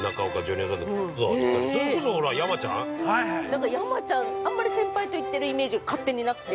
◆なんか山ちゃん、あんまり先輩と行ってるイメージが勝手になくて。